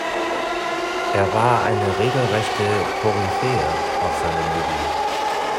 Er war eine regelrechte Koryphäe auf seinem Gebiet.